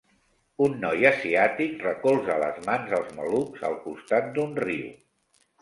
Un noi asiàtic recolza les mans als malucs al costat d'un riu.